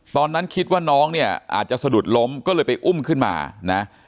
ตอนนั้นคิดว่าน้องเนี่ยอาจจะสะดุดล้มก็เลยไปอุ้มขึ้นมานะ